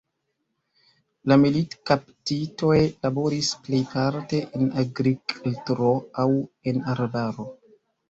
La militkaptitoj laboris plejparte en agrikltro aŭ en arbaro.